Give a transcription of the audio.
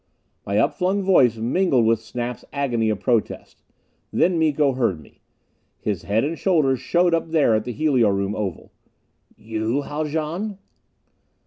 My upflung voice mingled with Snap's agony of protest. Then Miko heard me. His head and shoulders showed up there at the helio room oval. "You, Haljan?"